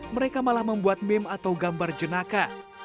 mereka malah membuat meme atau gambar jenaka